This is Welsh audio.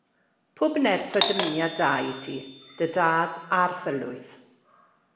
Pob nerth a dymuniad da i ti, dy dad a'r thylwyth.